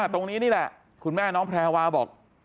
ตรงนี้นี่แหละคุณแม่น้องแพรวาบอก